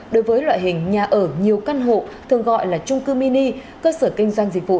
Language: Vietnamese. đối với loại hình nhà ở nhiều căn hộ thường gọi là trung cư mini cơ sở kinh doanh dịch vụ